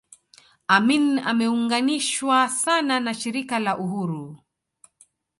Amin ameunganishwa sana na Shirika la Uhuru